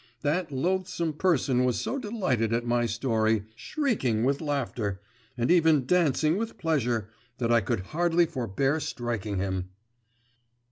That loathsome person was so delighted at my story, shrieking with laughter, and even dancing with pleasure, that I could hardly forbear striking him.